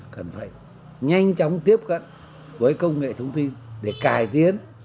cần phải nhanh chóng tiếp cận với công nghệ thông tin để cải tiến